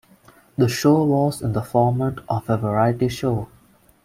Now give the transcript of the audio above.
The show was in the format of a variety show.